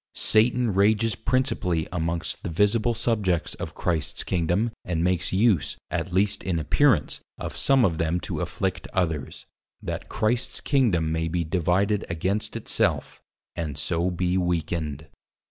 Satan Rages Principally amongst the Visible Subjects of Christ's Kingdom and makes use (at least in appearance) of some of them to Afflict others; that Christ's Kingdom, may be divided against it self, and so be weakened.